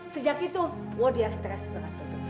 sejak itu oh dia stres berat dokter